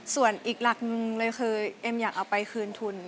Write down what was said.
ส่วนอีกหลักหนึ่งเลยคือเอ็มอยากเอาไปคืนทุน